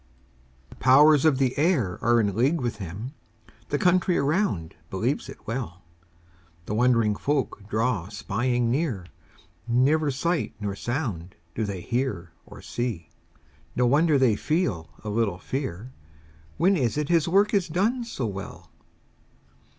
The powers of the air are in league with him; The country around believes it well; The wondering folk draw spying near; Never sight nor sound do they see or hear; No wonder they feel a little fear; When is it his work is done so well?